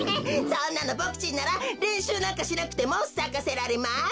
そんなのボクちんなられんしゅうなんかしなくてもさかせられます。